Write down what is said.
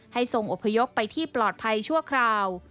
ทรงอพยพไปที่ปลอดภัยชั่วคราว